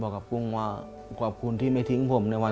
เปลี่ยนเพลงเพลงเก่งของคุณและข้ามผิดได้๑คำ